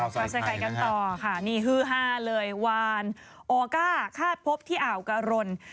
กลับมาข่าวสายไข่กันต่อค่ะนี่ฮือห้าเลยวานโอก้าคาดพบที่อ่าวกะรน